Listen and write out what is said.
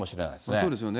そうですよね。